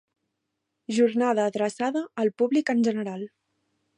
Jornada adreçada al públic en general.